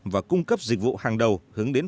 và cung cấp dịch vụ hàng đầu hướng đến